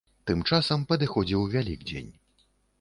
Тым часам падыходзіў вялікдзень.